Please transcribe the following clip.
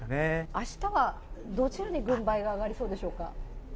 あしたはどちらに軍配が上がりそうでしょうか。